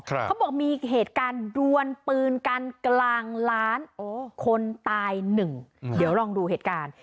เขาบอกมีเหตุการณ์ดวนปืนกันกลางร้านโอ้คนตายหนึ่งเดี๋ยวลองดูเหตุการณ์